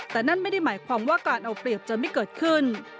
แต่นั่นไม่ได้หมายความว่าการเอาเปรียบจะไม่เกิดขึ้น